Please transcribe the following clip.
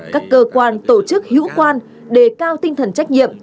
các cơ quan tổ chức hữu quan đề cao tinh thần trách nhiệm